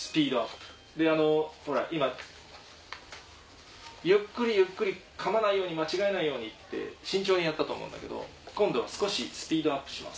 今ゆっくりゆっくり噛まないように間違えないようにって慎重にやったと思うんだけど今度は少しスピードアップします。